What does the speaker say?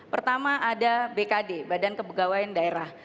pertama ada bkd badan kepegawaian daerah